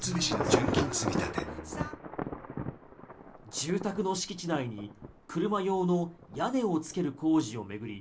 住宅の敷地内に車用の屋根をつける工事を巡り